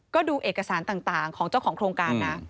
ก็ดูเอกสารต่างของเจ้าของโครงการนะ